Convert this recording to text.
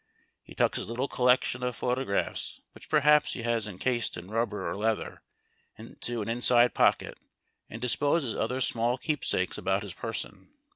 He tucks his little collection of photo graphs, which perhaps he has encased in rubber or leather, into an inside pocket, and disposes other small keepsakes about his person.